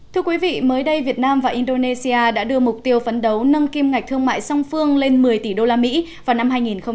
thưa quý vị mới đây việt nam và indonesia đã đưa mục tiêu phấn đấu nâng kim ngạch thương mại song phương lên một mươi tỷ đô la mỹ vào năm hai nghìn một mươi tám